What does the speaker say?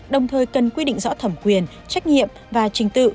đồng thời cần quy định rõ thẩm quyền trách nhiệm và trình tự